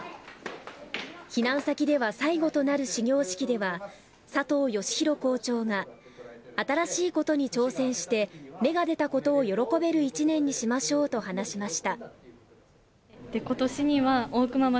避難先では最後となる始業式では佐藤由弘校長が新しいことに挑戦して芽が出たことを喜べる１年にしましょうと話しました。